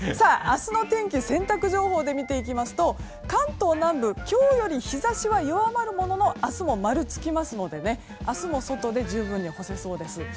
明日の天気、洗濯情報で見ていきますと、関東南部今日より日差しは弱まるものの明日も丸が付きますので明日も外に十分に干せそうです。